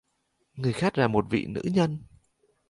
Người khách là một vị nữ nhân